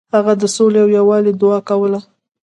هغه د سولې او یووالي دعا کوله.